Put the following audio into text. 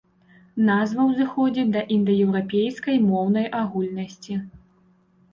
Назва ўзыходзіць да індаеўрапейскай моўнай агульнасці.